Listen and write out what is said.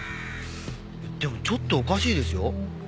でもちょっとおかしいですよ。